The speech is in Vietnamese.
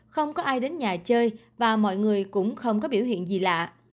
không có ai đến nhà chơi và mọi người cũng không có biểu hiện gì lạ